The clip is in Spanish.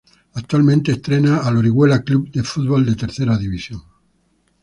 Actualmente entrena al Orihuela Club de Fútbol de Tercera División.